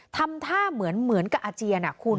ทำท่าเหมือนกับอาเจียนคุณ